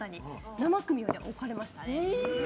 生首を置かれました。